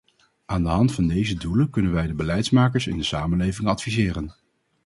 Aan de hand van deze doelen kunnen wij de beleidsmakers in de samenleving adviseren.